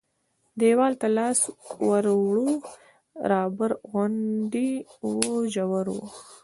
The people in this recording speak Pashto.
دیوال ته لاس ور ووړ رابر غوندې و ژور و.